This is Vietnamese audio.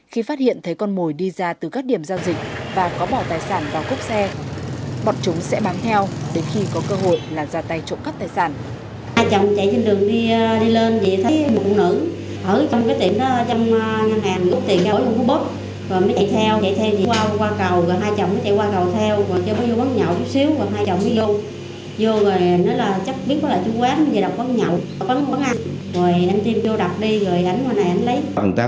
khi phát hiện thấy con mồi đi ra từ các điểm giao dịch và có bỏ tài sản vào cốc xe vật chúng sẽ bán theo đến khi có cơ hội là ra tay trộm cắp tài sản